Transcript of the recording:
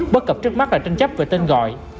bất cập trước mắt là tranh chấp về tên gọi